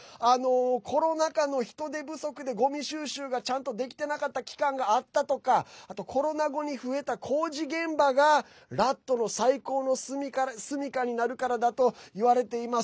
コロナ禍の人手不足でごみ収集がちゃんとできてなかった期間があったとかあとコロナ後に増えた工事現場がラットの最高の住みかになるからだといわれています。